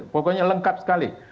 pokoknya lengkap sekali